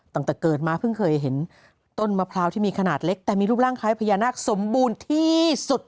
ตั้งแต่เกิดมาเพิ่งเคยเห็นต้นมะพร้าวที่มีขนาดเล็กแต่มีรูปร่างคล้ายพญานาคสมบูรณ์ที่สุด